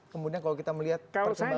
kemudian kalau kita melihat perkembangan